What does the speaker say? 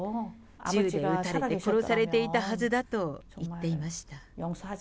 銃で撃たれて殺されていたはずだと言っていました。